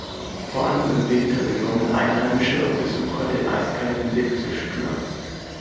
Vor allem im Winter bekommen Einheimische und Besucher den eiskalten Wind zu spüren.